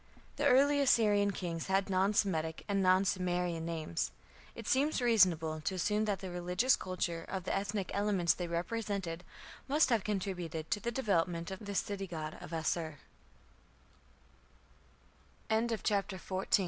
The early Assyrian kings had non Semitic and non Sumerian names. It seems reasonable to assume that the religious culture of the ethnic elements they represented must have contributed to the development o